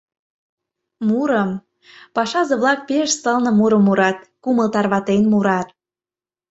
Мурым... пашазе-влак пеш сылне мурым мурат, кумыл тарватен мурат.